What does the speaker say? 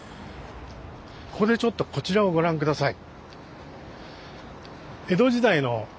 ここでちょっとこちらをご覧下さい。